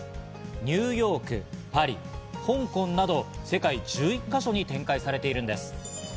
ニューヨーク、パリ、香港など世界１１か所に展開されているんです。